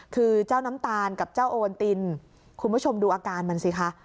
คือเจ้าน้ำตาลกับเจ้าโอนตินคุณผู้ชมดูอาการมันสิคะ